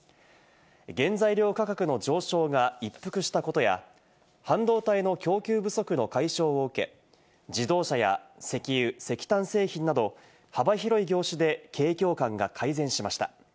原材料価格の上昇が一服したことや、半導体の供給不足の解消を受け、自動車や石油・石炭製品など幅広い業種で景況感が改善しました。